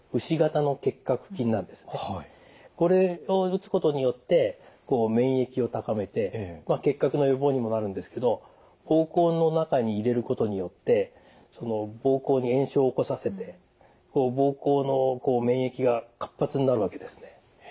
これを打つことによって免疫を高めて結核の予防にもなるんですけど膀胱の中に入れることによって膀胱に炎症を起こさせて膀胱の免疫が活発になるわけですね。